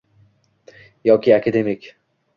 Yoki akademik